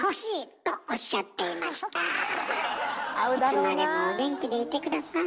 いつまでもお元気でいて下さい。